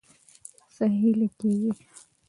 څخه هيله کيږي